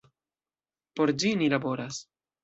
Por ĝi ni laboras.